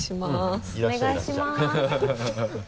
いらっしゃい。